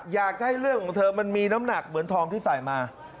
อยากให้เรื่องของเธอมันมีน้ำหนักเหมือนทองที่ใส่มา